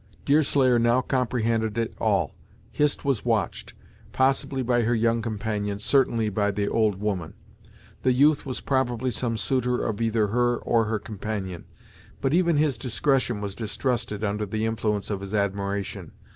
Deerslayer now comprehended it all. Hist was watched, possibly by her young companion, certainly by the old woman. The youth was probably some suitor of either her or her companion; but even his discretion was distrusted under the influence of his admiration.